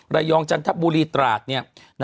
ระยองจันทบุรีตราช